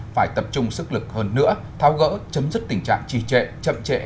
phải tập trung sức lực hơn nữa tháo gỡ chấm dứt tình trạng trì trệ chậm trệ